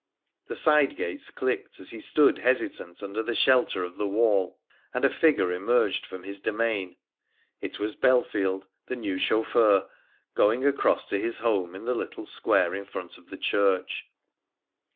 The side gates clicked as he stood hesitant under the shelter of the wall, and a figure emerged from his domain. It was Bellfield, the new chauffeur, going across to his home in the little square in front of the church.